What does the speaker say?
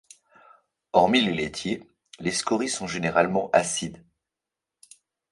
Hormis les laitiers, les scories sont généralement acides.